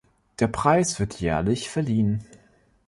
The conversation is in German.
Der Preis wird jährlich verliehen.